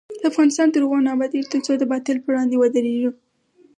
افغانستان تر هغو نه ابادیږي، ترڅو د باطل پر وړاندې ودریږو.